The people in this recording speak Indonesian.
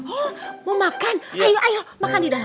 iya mau makan ayo ayo makan di dalam